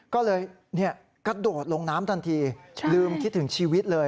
ก็เลยกระโดดลงน้ำทันทีลืมคิดถึงชีวิตเลย